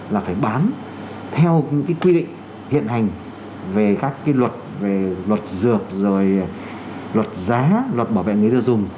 là phải bán theo quy định hiện hành về các luật dược luật giá luật bảo vệ người đưa dùng